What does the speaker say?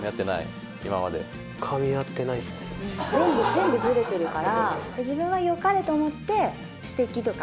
全部ずれてるから。